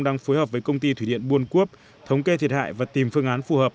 đang phối hợp với công ty thủy điện buôn quốc thống kê thiệt hại và tìm phương án phù hợp